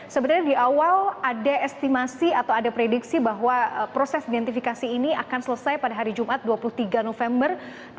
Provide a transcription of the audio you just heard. sebenarnya di awal ada estimasi atau ada prediksi bahwa proses identifikasi ini akan selesai pada hari jumat dua puluh tiga november dua ribu dua puluh